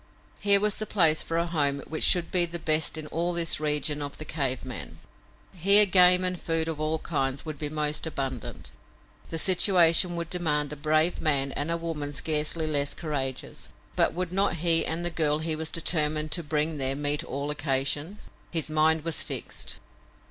Here was the place for a home which should be the best in all this region of the cave men. Here game and food of all kinds would be most abundant. The situation would demand a brave man and a woman scarcely less courageous, but would not he and the girl he was determined to bring there meet all occasion? His mind was fixed.